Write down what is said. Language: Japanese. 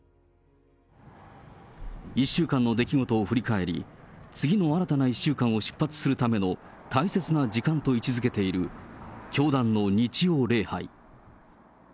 １週間の出来事を振り返り、次の新たな１週間を出発するための大切な時間と位置づけている教団の日曜礼拝。